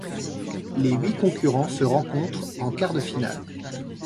Les huit concurrents se rencontrent en quart de finale.